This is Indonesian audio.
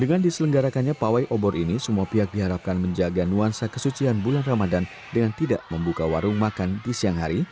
dengan diselenggarakannya pawai obor ini semua pihak diharapkan menjaga nuansa kesucian bulan ramadan dengan tidak membuka warung makan di siang hari